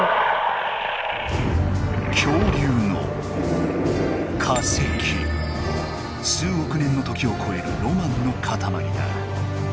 恐竜の数おく年の時をこえる「ロマンのかたまり」だ。